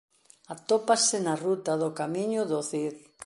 Atópase na ruta do Camiño do Cid.